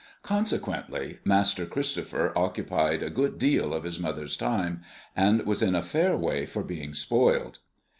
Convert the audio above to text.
Consequently, Master Christopher occupied a good deal of his mother's time, and was in a fair way for being spoiled.